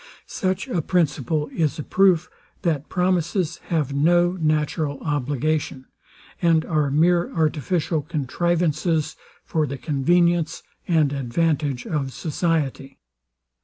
Such a principle is a proof, that promises have no natural obligation, and are mere artificial contrivances for the convenience and advantage of society.